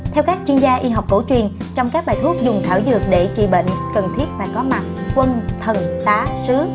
theo các chuyên gia y học cổ truyền trong các bài thuốc dùng thảo dược để trị bệnh cần thiết phải có mặt quân thần tá sứ